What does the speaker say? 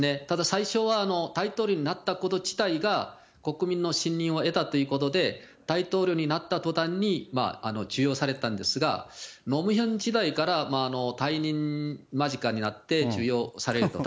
ただ最初は、大統領になったこと自体が、国民の信任を得たということで、大統領になったとたんに授与されたんですが、ノ・ムヒョン時代から、退任まじかになって授与される。